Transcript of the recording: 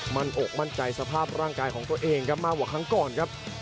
อกมั่นใจสภาพร่างกายของตัวเองครับมากกว่าครั้งก่อนครับ